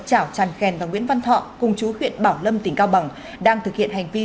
trảo tràn khèn và nguyễn văn thọ cùng chú huyện bảo lâm tỉnh cao bằng đang thực hiện hành vi